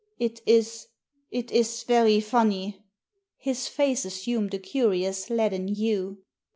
" It is — it is very funny." His face assumed a curious leaden hue.